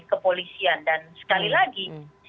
kepolisian dan sekali lagi